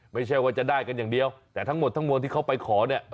ไม่ใช่ว่าจะได้กันอย่างเดียวแต่ทั้งหมดทั้งมวลที่เขาไปขอเนี่ย